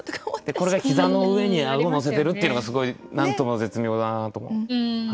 これが膝の上に顎のせてるっていうのがすごい何とも絶妙だなと。